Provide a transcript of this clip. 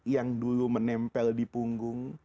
yang dulu menempel di punggung